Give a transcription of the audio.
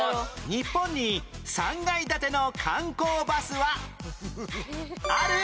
日本に３階建ての観光バスはある？